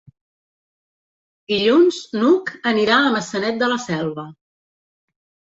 Dilluns n'Hug anirà a Maçanet de la Selva.